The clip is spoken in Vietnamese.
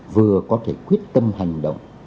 vừa có thể quyết tâm hành động